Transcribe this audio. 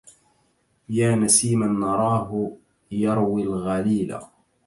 يا نسيما نراه يروي الغليلا